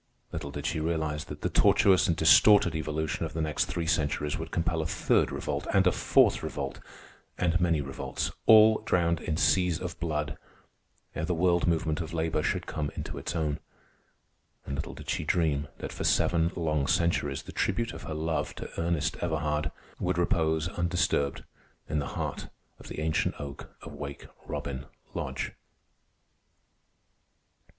Little did she realize that the tortuous and distorted evolution of the next three centuries would compel a Third Revolt and a Fourth Revolt, and many Revolts, all drowned in seas of blood, ere the world movement of labor should come into its own. And little did she dream that for seven long centuries the tribute of her love to Ernest Everhard would repose undisturbed in the heart of the ancient oak of Wake Robin Lodge.